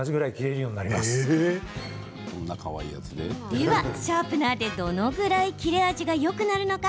では、シャープナーでどのぐらい切れ味がよくなるのか。